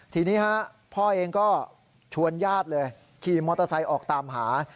ทีนี้พ่อเองก็ชวนญาติเลยขี่มอเตอร์ไซค์ออกตามหา